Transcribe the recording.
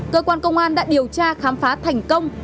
cơ quan công an đã điều tra khám phá thành công